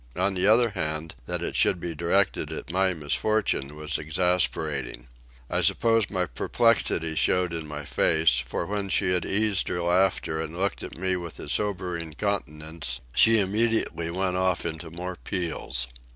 On the other hand, that it should be directed at my misfortune was exasperating. I suppose my perplexity showed in my face, for when she had eased her laughter and looked at me with a sobering countenance, she immediately went off into more peals.